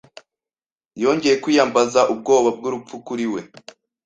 yongeye kwiyambaza ubwoba bw'urupfu kuri we.